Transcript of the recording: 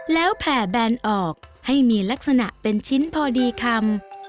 แล้วแผ่แบนออกให้มีลักษณะเป็นชิ้นพอดีคำ